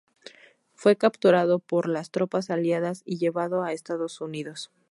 Fue capturado por las tropas aliadas y llevado a Estados Unidos.